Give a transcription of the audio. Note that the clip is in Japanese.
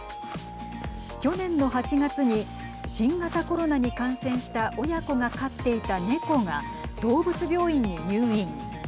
去年の８月に新型コロナに感染した親子が飼っていたネコが動物病院に入院。